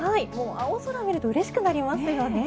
青空を見るとうれしくなりますよね。